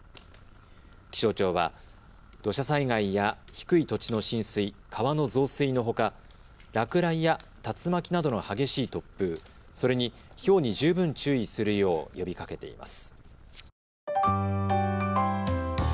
気象庁は土砂災害や低い土地の浸水、川の増水のほか、落雷や竜巻などの激しい突風、それに、ひょうに十分注意するよう呼びかけています。